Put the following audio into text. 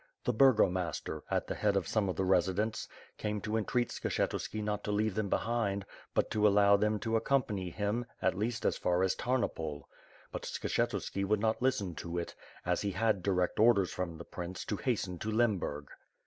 The burgomaster, at the head of some of the residents, came to entreat Skshetuski not to leave them behind, but to allow them to accompany him, at least as far as Tamopol. But Skshetuski would not listen to it, as he had direct orders from the prince to hasten to Lemburg.